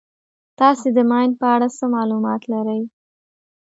تاسې د ماین په اړه څه معلومات لرئ.